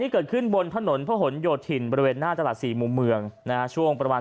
เกิดขึ้นบนถนนพระหลโยธินบริเวณหน้าตลาดสี่มุมเมืองช่วงประมาณ